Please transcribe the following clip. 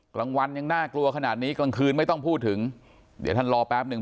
กลางวันยังน่ากลัวขนาดนี้กลางคืนไม่ต้องพูดถึงเดี๋ยวท่านรอแป๊บหนึ่ง